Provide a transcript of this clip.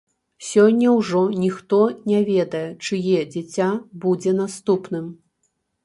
Сёння ўжо ніхто не ведае, чые дзіця будзе наступным.